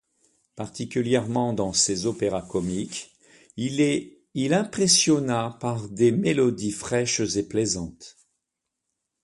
Particulièrement dans ses opéras comiques, il impressionna par des mélodies fraiches et plaisantes.